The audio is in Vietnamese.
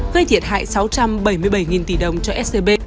gây thiệt hại sáu trăm bảy mươi bảy tỷ đồng cho scb